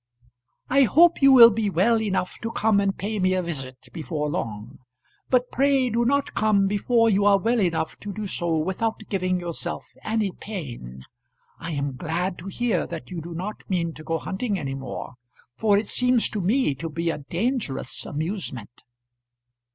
I hope you will be well enough to come and pay me a visit before long, but pray do not come before you are well enough to do so without giving yourself any pain. I am glad to hear that you do not mean to go hunting any more, for it seems to me to be a dangerous amusement.